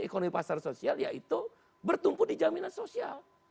ekonomi pasar sosial yaitu bertumpu di jaminan sosial